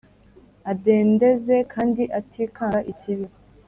adendeze kandi atikanga ikibi”